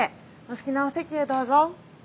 お好きなお席へどうぞ。